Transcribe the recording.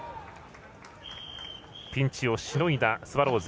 ピンチをしのいだスワローズ。